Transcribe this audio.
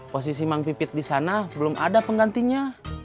posisi mang pipit di sana belum ada penggantinya